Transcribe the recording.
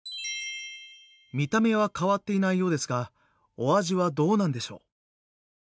見た目は変わっていないようですがお味はどうなんでしょう？